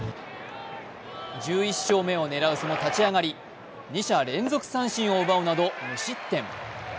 １１勝目を狙うその立ち上がり、２者連続三振を奪うなど、無失点。